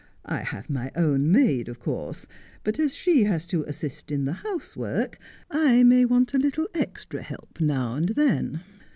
I have my own maid, of course, but as she has to assist in the housework I may want a little extra help now and then.